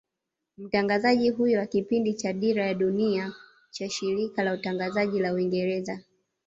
Mtangazaji huyo wa kipindi cha Dira ya Dunia cha Shirika la Utangazaji la Uingereza